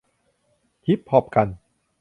ฮิปฮอปกัน